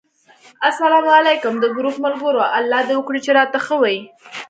اسلام علیکم! د ګروپ ملګرو! الله دې وکړي چې راته ښه وی